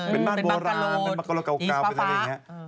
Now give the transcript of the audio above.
เป็นบ้านโบราณเป็นบังกะโลกาวเป็นทะเลอย่างนี้